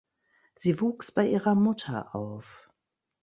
Sie wuchs bei ihrer Mutter auf.